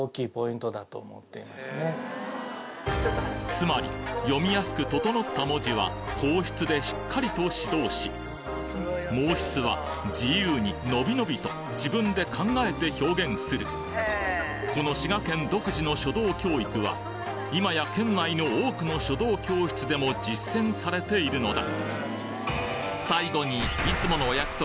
つまり読みやすく整った文字は硬筆でしっかりと指導し毛筆は自由にのびのびと自分で考えて表現するこの滋賀県独自の書道教育は今や県内の多くの書道教室でも実践されているのだ